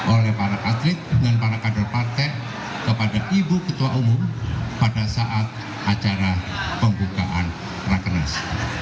oleh para atlet dengan para kader partai kepada ibu ketua umum pada saat acara pembukaan rakernas